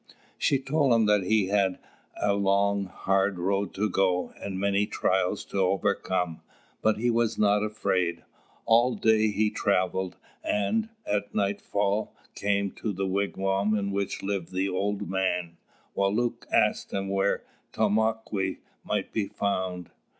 She told him that he had a long, hard road to go, and many trials to overcome; but he was not afraid. All day he travelled, and, at night fall, came to a wigwam in which lived an old man. Wālūt asked him where Tomāquè might be found.